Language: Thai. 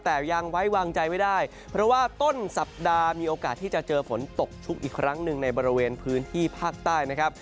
แต่ยังไว้วางใจไม่ได้เพราะว่าต้นสัปดาห์มีโอกาสที่จะเจอฝนตกชุกอีกครั้งหนึ่งในบริเวณพื้นที่ภาคใต้นะครับ